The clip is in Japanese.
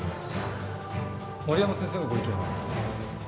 森山先生のご意見は？